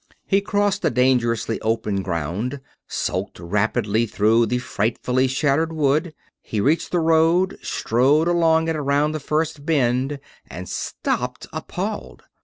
He crossed the dangerously open ground; sulked rapidly through the frightfully shattered wood. He reached the road, strode along it around the first bend, and stopped, appalled.